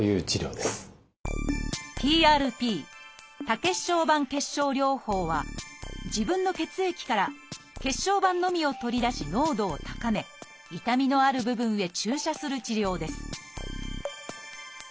ＰＲＰ多血小板血しょう療法は自分の血液から血小板のみを取り出し濃度を高め痛みのある部分へ注射する治療です